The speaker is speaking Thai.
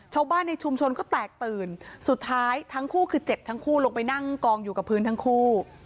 ชาวบ้านในชุมชนก็แตกตื่นสุดท้ายทั้งคู่คือเจ็บทั้งคู่ลงไปนั่งกองอยู่กับพื้นทั้งคู่